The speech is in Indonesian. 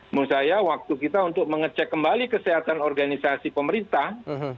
menurut saya waktu kita untuk mengecek kembali kesehatan organisasi pemerintah